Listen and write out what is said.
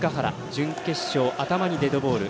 準決勝、頭にデッドボール。